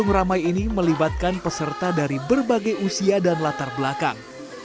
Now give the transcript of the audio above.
yang ramai ini melibatkan peserta dari berbagai usia dan latar belakang